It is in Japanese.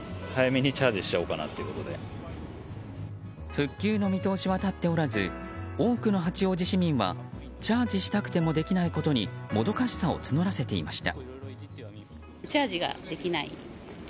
復旧の見通しは立っておらず多くの八王子市民はチャージしたくもできないことにもどかしさを募らせていました。